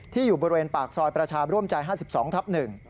อยู่บริเวณปากซอยประชาร่วมใจ๕๒ทับ๑